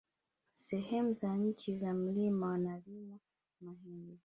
Sehemu za chini ya mlima wanalimwa mahindi